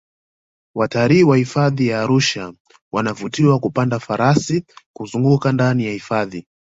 watalii wa hifadhi ya arusha wanavutiwa kupanda farasi kuzungaka ndani ya hifadhi